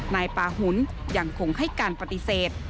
นายปาหุนยังคงให้การปฏิเสธ